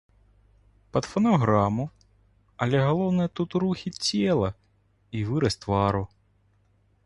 Пад фанаграму, але галоўнае тут рухі цела і выраз твару.